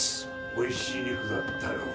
美味しい肉だったよ。